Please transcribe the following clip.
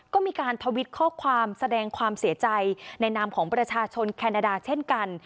ก็มีการทวิตข้อความแสดงความเสียใจในนามของประชาชนแคนาดาเช่นกัน